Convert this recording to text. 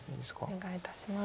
お願いいたします。